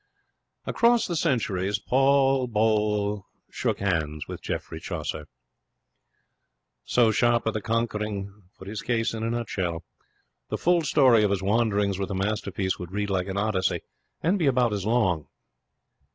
Across the centuries Paul Boielle shook hands with Geoffrey Chaucer. 'So sharpe the conquering' put his case in a nutshell. The full story of his wanderings with the masterpiece would read like an Odyssey and be about as long.